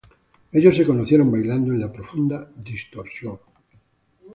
Ellos se conocieron bailando en la profunda distorsión.